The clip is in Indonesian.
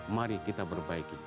mari kita berbaiki